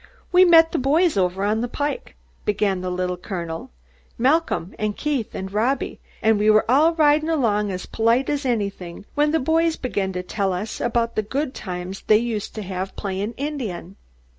"We met the boys ovah on the pike," began the Little Colonel, "Malcolm and Keith and Robby, and we were all ridin' along as polite as anything, when the boys began to tell about the good times they used to have playin' Indian."